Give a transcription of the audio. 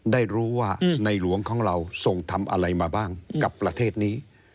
ได้รู้ว่าในหลวงของเราส่งทำอะไรมาบ้างกับประเทศนี้